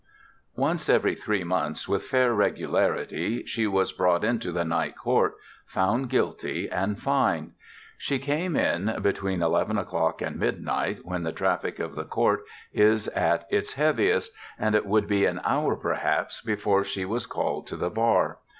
Once every three months, with fair regularity, she was brought into the Night Court, found guilty, and fined. She came in between eleven o'clock and midnight, when the traffic of the court is at its heaviest, and it would be an hour, perhaps, before she was called to the bar.